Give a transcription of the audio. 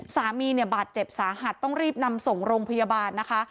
สามีเนี่ยบาดเจ็บสาหัสต้องรีบนำส่งโรงพยาบาลนะคะ